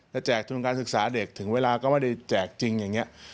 แจกทุนการศึกษาเด็กถึงเวลาก็ไม่ได้แจกจริงอย่างนี้